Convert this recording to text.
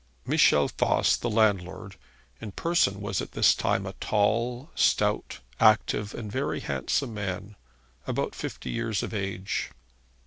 Michel Voss, the landlord, in person was at this time a tall, stout, active, and very handsome man, about fifty years of age.